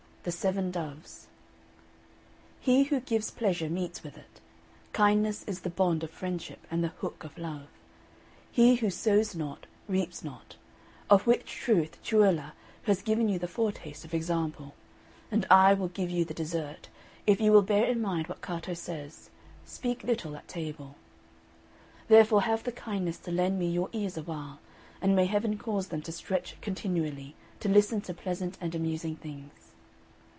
XXIV THE SEVEN DOVES He who gives pleasure meets with it: kindness is the bond of friendship and the hook of love: he who sows not reaps not; of which truth Ciulla has given you the foretaste of example, and I will give you the dessert, if you will bear in mind what Cato says, "Speak little at table." Therefore have the kindness to lend me your ears awhile; and may Heaven cause them to stretch continually, to listen to pleasant and amusing things.